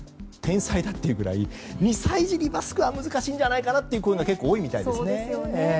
天才だっていうぐらい２歳児にマスクは難しいんじゃないかという声が結構多いみたいですよ。